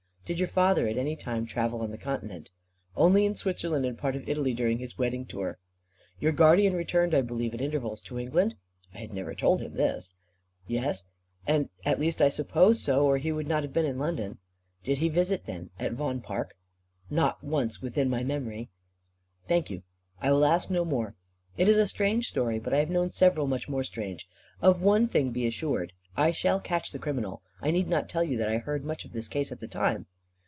"Did your father, at any time, travel on the continent?" "Only in Switzerland, and part of Italy, during his wedding tour." "Your guardian returned, I believe, at intervals to England?" I had never told him this. "Yes. At least I suppose so, or he would not have been in London." "Did he visit then at Vaughan Park?" "Not once within my memory." "Thank you. I will ask no more. It is a strange story; but I have known several much more strange. Of one thing be assured. I shall catch the criminal. I need not tell you that I heard much of this case at the time."